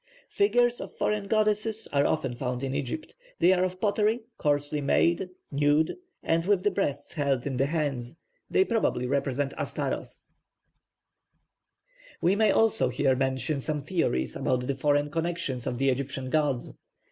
Figures of foreign goddesses are often found in Egypt; they are of pottery, coarsely made, nude, and with the breasts held in the hands. They probably represent Ashtaroth. We may also here mention some theories about the foreign connections of the Egyptian gods.